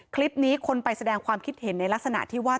คลิปนี้คนไปแสดงความคิดเห็นในลักษณะที่ว่า